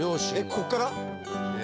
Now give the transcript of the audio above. こっから？